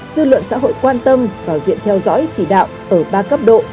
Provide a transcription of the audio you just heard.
dư luận xã hội quan tâm vào diện theo dõi chỉ đạo ở ba cấp độ